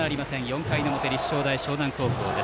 ４回の表、立正大淞南高校。